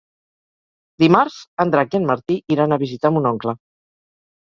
Dimarts en Drac i en Martí iran a visitar mon oncle.